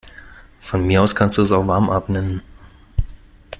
Von mir aus kannst du es auch Warmup nennen.